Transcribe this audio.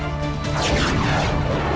oven itu gak supar berhenti juga